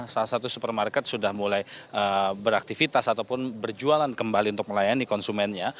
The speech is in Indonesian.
salah satu supermarket sudah mulai beraktivitas ataupun berjualan kembali untuk melayani konsumennya